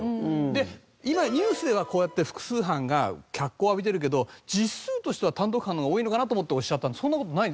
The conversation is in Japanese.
で今ニュースではこうやって複数犯が脚光を浴びてるけど実数としては単独犯の方が多いのかなと思って押しちゃったんですけどそんな事はない？